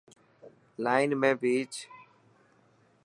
لائن ۾ پيچ.